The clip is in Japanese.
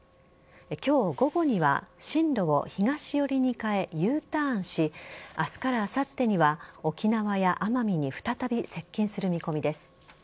今日午後には進路を東寄りに変えＵターンし明日からあさってには沖縄や奄美に再び接近する見込みです。